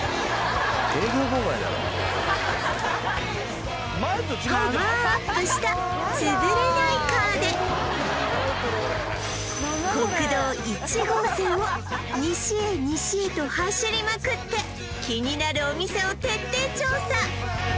営業妨害だろパワーアップしたつぶれないカーで国道１号線を西へ西へと走りまくって気になるお店を徹底調査